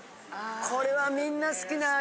これはみんな好きな味。